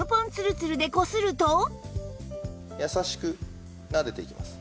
やさしくなでていきます。